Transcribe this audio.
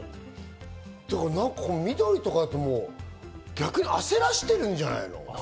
だから緑とかって、逆に焦らせてるんじゃないの？